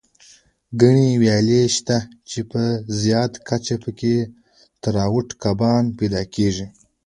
ګڼې ویالې شته، چې په زیاته کچه پکې تراوټ کبان پیدا کېږي.